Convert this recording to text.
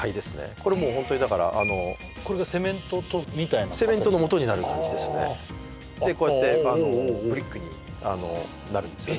これもうホントにだからこれがセメントみたいなセメントのもとになる感じですねでこうやってブリックになるんですよね